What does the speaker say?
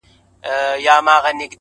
بیا هغه لار ده. خو ولاړ راته صنم نه دی.